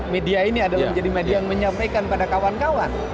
media ini adalah menjadi media yang menyampaikan pada kawan kawan